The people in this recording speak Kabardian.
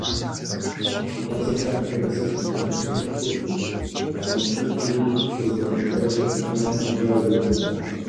Дыгъуасэ лъандэрэ си интернетыр хъуркъым. Згъэункӏыфӏри щӏэзгъанэжащ, итӏанэми лажьэркъым.